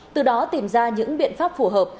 từ đó tìm ra những biện pháp phù hợp